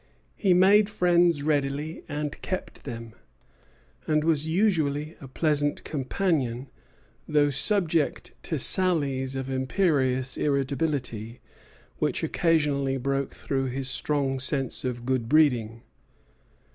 He made friends readily, and kept them, and was usually a pleasant companion, though subject to sallies of imperious irritability which occasionally broke through his strong sense of good breeding.